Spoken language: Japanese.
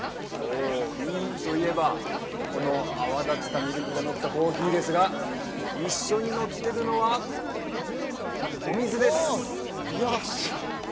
おおウィーンといえばこの泡立てたミルクがのったコーヒーですが一緒にのってるのはお水です